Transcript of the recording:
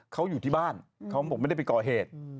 เขาอยู่ที่บ้านเขาบอกไม่ได้ไปก่อเหตุ